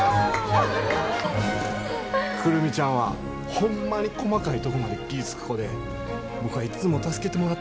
久留美ちゃんはホンマに細かいとこまで気ぃ付く子で僕はいっつも助けてもらってて。